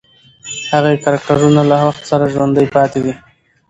هغې کرکټرونه له وخت سره ژوندۍ پاتې دي.